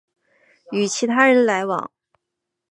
与其他人来往